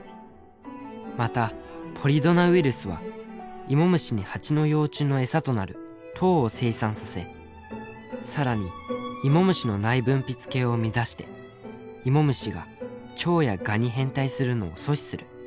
またポリドナウイルスはイモムシにハチの幼虫の餌となる糖を生産させ更にイモムシの内分泌系を乱してイモムシがチョウやガに変態するのを阻止する。